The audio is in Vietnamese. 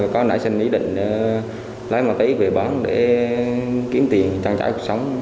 có nãy xin ý định lấy ma túy về bán để kiếm tiền trang trải cuộc sống